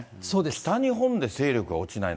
北日本で勢力が落ちない